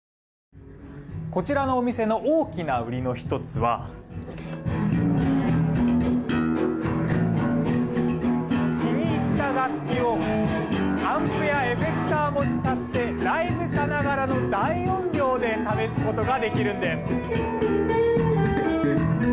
こちらのお店の大きな売りの１つは気に入った楽器をアンプやエフェクターも使ってライブさながらの大音量で試すことができるんです。